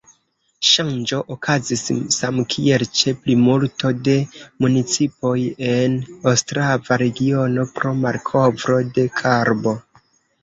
Ŝanĝo okazis, samkiel ĉe plimulto de municipoj en Ostrava-regiono, pro malkovro de karbo.